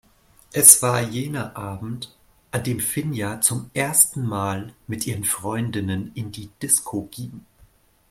Es war jener Abend, an dem Finja zum ersten Mal mit ihren Freundinnen in die Disco ging.